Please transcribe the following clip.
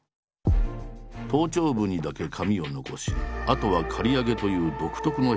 頭頂部にだけ髪を残しあとは刈り上げという独特のヘアスタイル。